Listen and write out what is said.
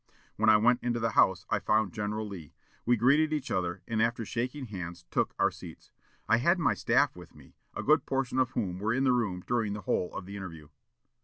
When I went into the house I found General Lee. We greeted each other, and, after shaking hands, took our seats. I had my staff with me, a good portion of whom were in the room during the whole of the interview.